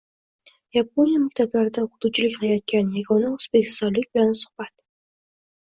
Yaponiya maktablarida o‘qituvchilik qilayotgan yagona o‘zbekistonlik bilan suhbat